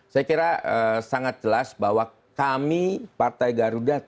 saya kira sangat jelas bahwa kami partai garuda